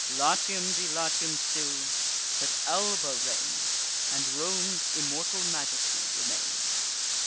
Latium be Latium still; let Alba reign And Rome's immortal majesty remain."